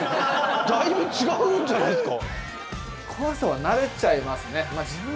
だいぶ違うんじゃないですか？